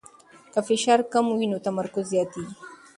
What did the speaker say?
که فشار کم وي نو تمرکز زیاتېږي.